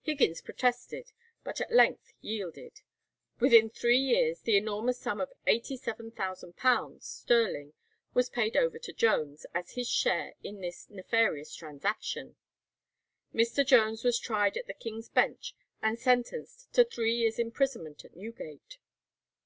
Higgins protested, but at length yielded. Within three years the enormous sum of £87,000 sterling was paid over to Jones as his share in this nefarious transaction. Mr. Jones was tried at the King's Bench and sentenced to three years' imprisonment in Newgate.